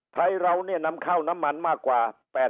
ไทยเราเนี่ยนำเข้าน้ำมันมากกว่า